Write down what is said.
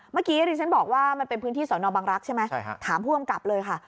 เมื่อกี้ดิฉันบอกว่ามันเป็นพื้นที่สอนอบังรักษ์ใช่ไหมถามผู้กำกับเลยค่ะ